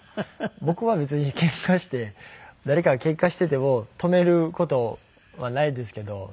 僕は別にケンカして誰かがケンカしていても止める事はないですけど。